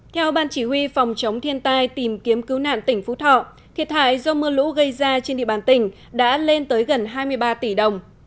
theo ban chỉ huy phòng chống thiên tai tìm kiếm cứu nạn tỉnh phú thọ thiệt hại do mưa lũ gây ra trên địa bàn tỉnh đã lên tới gần hai mươi ba tỷ đồng